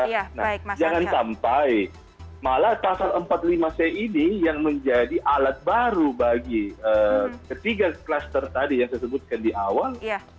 nah jangan sampai malah pasal empat puluh lima c ini yang menjadi alat baru bagi ketiga klaster tadi yang saya sebutkan di awal